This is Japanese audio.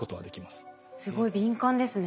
すごい敏感ですね。